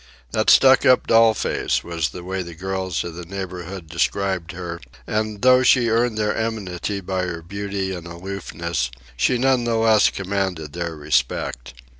"That stuck up doll face," was the way the girls of the neighbourhood described her; and though she earned their enmity by her beauty and aloofness, she none the less commanded their respect.